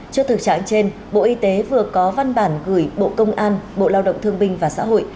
trước thực trạng trên bộ y tế vừa có văn bản gửi bộ công an bộ lao động thương binh và xã hội